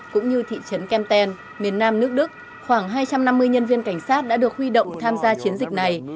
cũng như thị trấn kemten miền nam nước đức khoảng hai trăm năm mươi nhân viên cảnh sát đã được huy động tham gia chiến dịch này